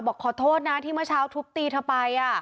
บอกขอโทษนะที่เมื่อเช้าทุบตีเธอไป